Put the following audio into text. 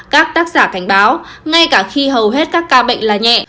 các tác giả cảnh báo ngay cả khi hầu hết các ca bệnh là nhẹ